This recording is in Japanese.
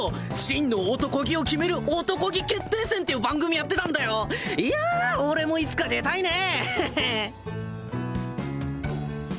真の漢気を決める漢気決定戦っていう番組やってたんだよいや俺もいつか出たいね